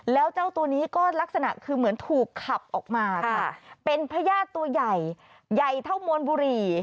เป็นพระญาติตัวใหญ่ใหญ่เท่ามนต์บุรี